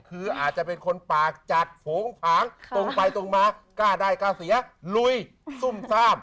คืออาจจะเป็นคนปากจัดโฝงผางตรงไปตรงมากล้าได้กล้าเสียลุยซุ่มซ่าม